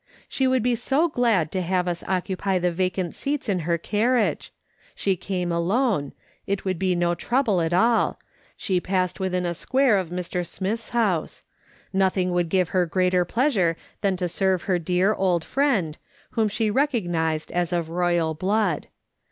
She would be so glad to have us occupy the vacant seats in her carriage ; she came alone; it would be no trouble at all; she passed within a square of Mr. Smith's house ; nothing would give her greater pleasure than to serve her dear old friend, whom she recognised as of royal blood.